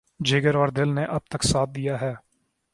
جگر اور دل نے اب تک ساتھ دیا ہے۔